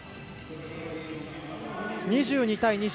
２２対２０。